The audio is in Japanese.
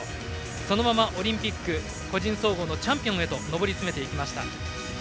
そのままオリンピック個人総合のチャンピオンへ上り詰めました。